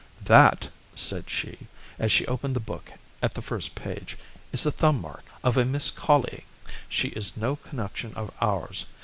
"That," said she, as she opened the book at the first page, "is the thumb mark of a Miss Colley. She is no connection of ours.